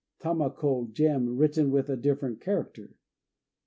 Tama ko "Gem," written with a different character.